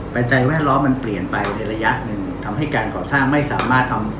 ปัจจัยแวดล้อมมันเปลี่ยนไปในระยะหนึ่งทำให้การก่อสร้างไม่สามารถทำ